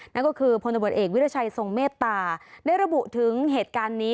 นั่นก็คือพลตำรวจเอกวิรชัยทรงเมตตาได้ระบุถึงเหตุการณ์นี้